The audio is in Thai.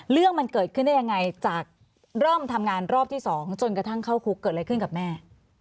เรื่องมันเกิดขึ้นได้ยังไงจากเริ่มทำงานรอบที่๒จนกระทั่งเข้าคุกเกิดอะไรขึ้นกับแม่